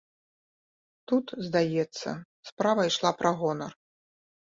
Тут, здаецца, справа ішла пра гонар.